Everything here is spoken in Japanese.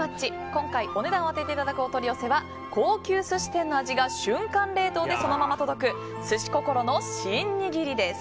今回、お値段を当てていただくお取り寄せは高級寿司店の味が瞬間冷凍でそのまま届く鮨心のシン握りです。